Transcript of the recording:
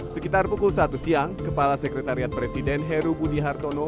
sekitar pukul satu siang kepala sekretariat presiden heru budi hartono